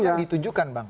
yang ditujukan bang